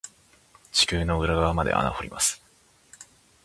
地球の裏側まで穴掘ります。